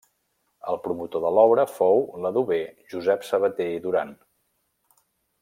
El promotor de l'obra fou l'adober Josep Sabater i Duran.